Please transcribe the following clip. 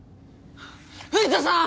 藤田さん！？